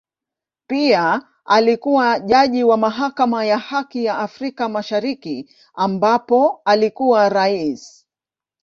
Pia alikua jaji wa Mahakama ya Haki ya Afrika Mashariki ambapo alikuwa Rais.